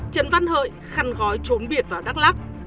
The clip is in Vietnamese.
trần văn hợi khăn gói trốn biệt vào đắk lắc